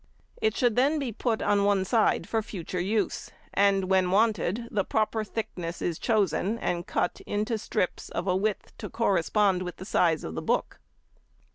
It should then be put on one side for future use, and when wanted, the proper thickness is chosen and cut into strips of a width to correspond with the size of the book.